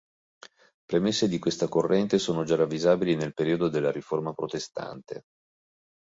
Premesse di questa corrente sono già ravvisabili nel periodo della Riforma protestante.